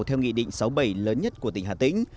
theo nghị định sáu mươi bảy lớn nhất của tỉnh hà tĩnh